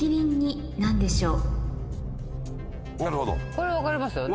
これは分かりますよね。